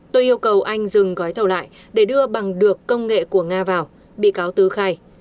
tôi yêu cầu anh dừng gói thầu lại để đưa bằng được công nghệ của nga vào bị cáo tứ khai